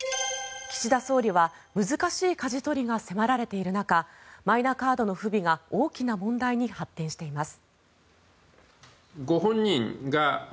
岸田総理は難しいかじ取りが迫られている中マイナカードの不備が大きな問題に発展しています。